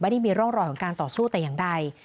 ได้มีร่องรอยของการต่อสู้แต่อย่างใด